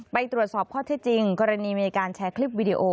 ไปตรวจสอบข้อที่จริงกรณีมีการแชร์คลิปวิดีโอ